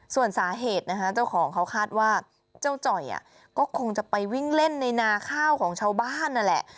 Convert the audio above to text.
ส่วนสาเหตุนะคะเจ้าของเขาคาดว่าเจ้าจ่อยก็คงจะไปวิ่งเล่นในนาข้าวของชาวบ้านนั่นแหละ